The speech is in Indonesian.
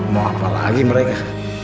mau apa lagi mereka